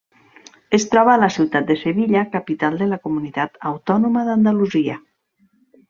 Es troba a la ciutat de Sevilla, capital de la comunitat autònoma d'Andalusia.